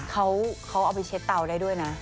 เขาเอาไปเช็ดเตาได้ด้วยนะ